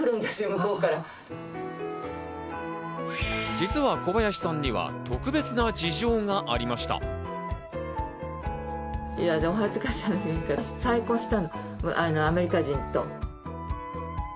実は小林さんには、特別な事情がありました。